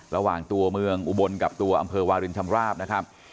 ระหว่างตัวเมืองอุบลกับตัวอำเภอวารินชำราบนะครับ